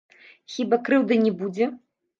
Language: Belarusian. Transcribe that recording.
Хіба крыўды не будзе.